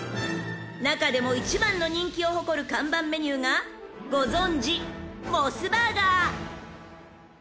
［中でも一番の人気を誇る看板メニューがご存じモスバーガー］